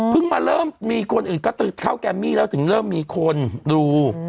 มาเริ่มมีคนอื่นก็เข้าแกมมี่แล้วถึงเริ่มมีคนดู